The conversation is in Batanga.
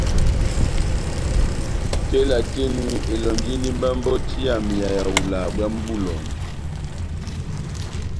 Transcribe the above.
Tela tɛ́h eni elɔ́njindi mba mbɔti yami ya ehawula bwámu bó eloŋjɔ.